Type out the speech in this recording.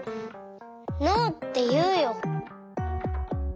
「ＮＯ」っていうよ。